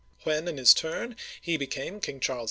When, in his turn, he became King Charles V.